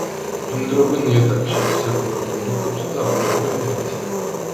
ბინადრობენ ნიადაგში, საკვებ პროდუქტებზე და აფუჭებენ მათ.